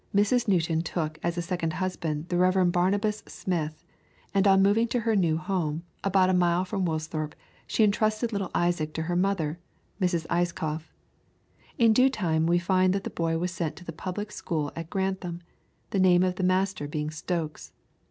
] In 1645, Mrs. Newton took as a second husband the Rev. Barnabas Smith, and on moving to her new home, about a mile from Woolsthorpe, she entrusted little Isaac to her mother, Mrs. Ayscough. In due time we find that the boy was sent to the public school at Grantham, the name of the master being Stokes.